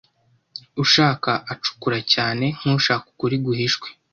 ushaka acukura cyane nk’ushaka ukuri guhishwe.